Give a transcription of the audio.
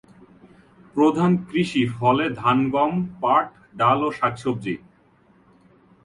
প্রধান কৃষি ফলে ধান, গম, পাট, ডাল, শাকসবজি।